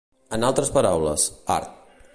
En altres paraules, art.